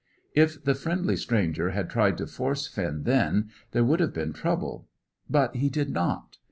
If the friendly stranger had tried to force Finn then, there would have been trouble. But he did not.